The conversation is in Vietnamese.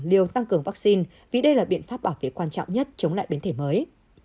liều tăng cường vaccine vì đây là biện pháp bảo vệ quan trọng nhất chống lại biến thể mới